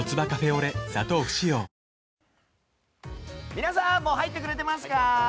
皆さんもう入ってくれていますか。